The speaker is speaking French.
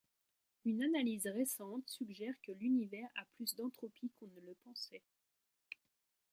Une analyse récente suggère que l'univers a plus d'entropie qu'on ne le pensait.